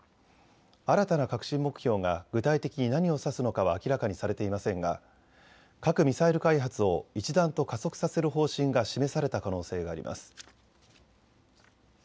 新たな核心目標が具体的に何を指すのかは明らかにされていませんが、核・ミサイル開発を一段と加速させる方針が示された可能性があります。